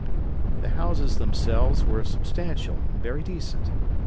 The houses themselves were substantial and very decent.